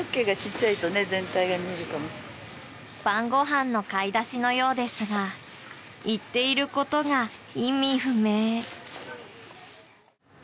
晩ご飯の買い出しのようですが言っている事が意味不明。